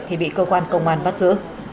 thì bị cơ quan công an bắt giữ